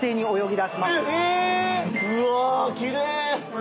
うわ奇麗！